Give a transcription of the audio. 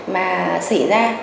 mà xảy ra